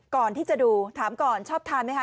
ก่อนที่จะดูถามก่อนชอบทานไหมคะ